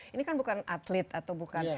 ini kan bukan atlet atau bukan